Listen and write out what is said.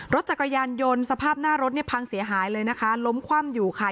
รถจักรยานยนต์สภาพหน้ารถเนี่ยพังเสียหายเลยนะคะล้มคว่ำอยู่ค่ะ